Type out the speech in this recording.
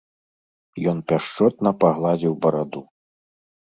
Ён пяшчотна пагладзіў бараду.